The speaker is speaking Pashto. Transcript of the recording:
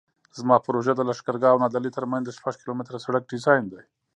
زما پروژه د لښکرګاه او نادعلي ترمنځ د شپږ کیلومتره سرک ډیزاین دی